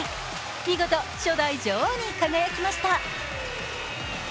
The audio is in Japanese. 見事、初代女王に輝きました。